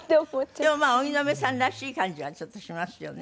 でもまあ荻野目さんらしい感じはちょっとしますよね。